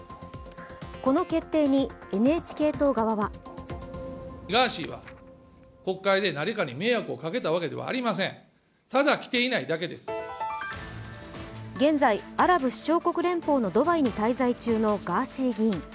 この決定にＮＨＫ党側は現在、アラブ首長国連邦のドバイに滞在中のガーシー議員。